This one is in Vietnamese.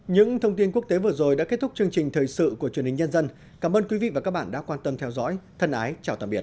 những thông tin quốc tế vừa rồi đã kết thúc chương trình thời sự của truyền hình nhân dân cảm ơn quý vị và các bạn đã quan tâm theo dõi thân ái chào tạm biệt